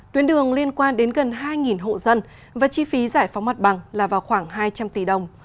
tuyến đường liên quan đến gần hai hộ dân và chi phí giải phóng mặt bằng là vào khoảng hai trăm linh tỷ đồng